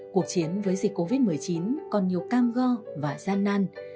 cuộc chiến với dịch covid một mươi chín còn nhiều cam go và gian nan